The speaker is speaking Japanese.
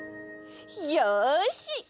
よし！